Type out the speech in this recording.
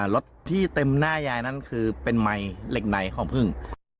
รถพี่เต็มหน้ายายนั้นคือเป็นไมค์เหล็กในของพึ่ง